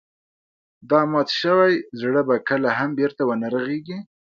دا مات شوی زړه به کله هم بېرته ونه رغيږي.